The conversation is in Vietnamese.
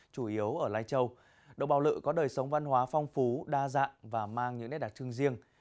chủ yếu ở lai châu đồng bào lự có đời sống văn hóa phong phú đa dạng và mang những nét đặc trưng riêng